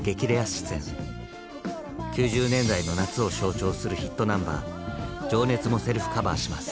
９０年代の夏を象徴するヒットナンバー「情熱」もセルフカバーします。